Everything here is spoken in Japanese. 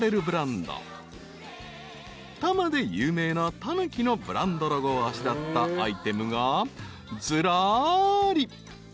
［多摩で有名なタヌキのブランドロゴをあしらったアイテムがずらり］